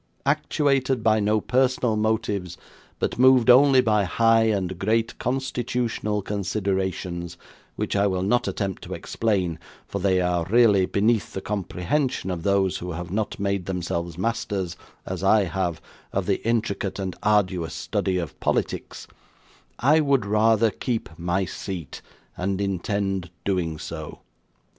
Actuated by no personal motives, but moved only by high and great constitutional considerations; which I will not attempt to explain, for they are really beneath the comprehension of those who have not made themselves masters, as I have, of the intricate and arduous study of politics; I would rather keep my seat, and intend doing so.